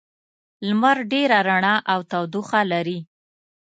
لمر ډېره رڼا او تودوخه لري.